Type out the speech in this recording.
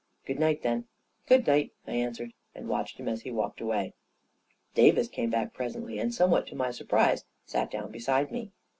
" Good night, then." " Good night," I answered, and watched him as he walked away. Davis came back presently, and somewhat to my surprise, sat down beside me.